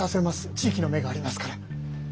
地域の目がありますから。